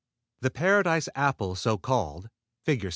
The Paradise apple so called (Fig.